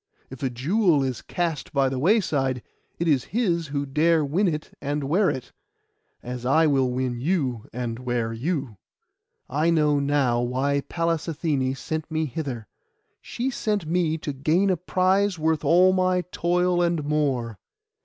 If a jewel is cast by the wayside, it is his who dare win it and wear it, as I will win you and will wear you. I know now why Pallas Athené sent me hither. She sent me to gain a prize worth all my toil and more.